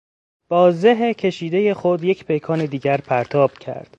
با زه کشیدهی خود یک پیکان دیگر پرتاب کرد.